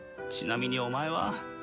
ちなみにお前は？